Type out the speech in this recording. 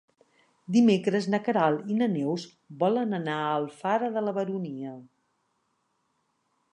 Dimecres na Queralt i na Neus volen anar a Alfara de la Baronia.